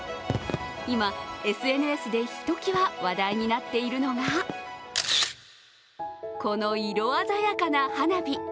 今、ＳＮＳでひときわ話題になっているのがこの色鮮やかな花火。